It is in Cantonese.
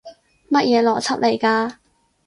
乜嘢邏輯嚟㗎？